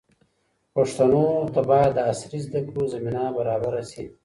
پښتنو ته باید د عصري زده کړو زمینه برابره شي.